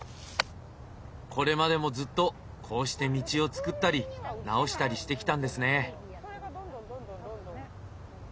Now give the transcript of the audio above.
これまでもずっとこうして道をつくったり直したりしてきたんですね。